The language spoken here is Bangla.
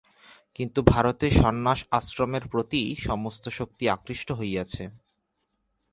কিন্তু ভারতে সন্ন্যাস আশ্রমের প্রতিই সমস্ত শক্তি আকৃষ্ট হইয়াছে।